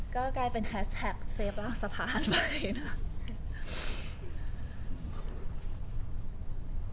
ก็กลายเป็นแคสแท็กเซฟราวสะพานไป